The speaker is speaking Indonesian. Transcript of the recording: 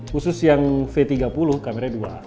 khusus yang v tiga puluh kamera dua